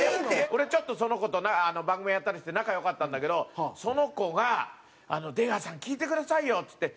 俺ちょっとその子と番組やったりして仲良かったんだけどその子が「出川さん聞いてくださいよ」っつって。